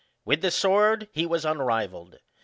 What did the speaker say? With the sword he was unrivalled.